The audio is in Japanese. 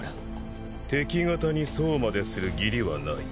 敵方にそうまでする義理はない。